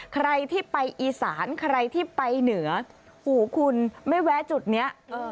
ใครที่ไปอีสานใครที่ไปเหนือหูคุณไม่แวะจุดนี้